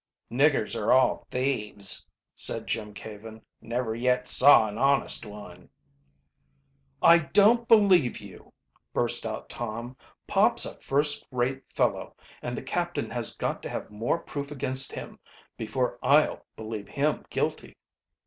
"Niggers are all thieves," said Jim Caven, "never yet saw an honest one." "I don't believe you!" burst out Tom. "Pop's a first rate fellow, and the captain has got to have more proof against him before I'll believe him guilty."